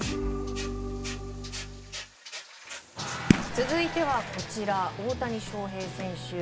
続いては大谷翔平選手。